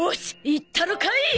行ったろかい！